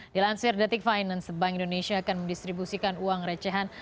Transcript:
dilansir detik finance bank indonesia akan mendistribusikan uang recehan